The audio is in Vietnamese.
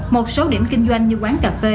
một số điểm kinh doanh như quán cà phê